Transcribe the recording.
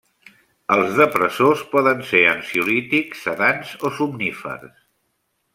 Els depressors poden ser ansiolítics, sedants o somnífers.